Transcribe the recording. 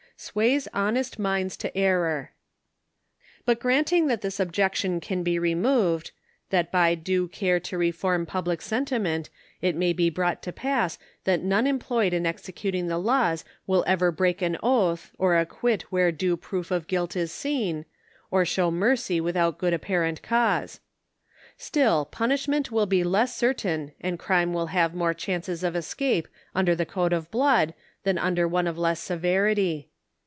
*'* SWAYS HONEST MINDS TO ERROR. But granting that this objection can be removed ; that by due care to reform public sentiment it may be brought to pass that none employed in executing the laws will ever break an oath or acquit where due proof of guilt is seen, or show mercy without good ap parent cause. Still punishment will be less certain and crime will have more chances of escape under the code of blood, than under *Edinburgh Review, vol. 45, p. 76. 61 one of less 'severity.